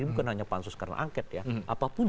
ini bukan hanya pansus karena angket ya apapun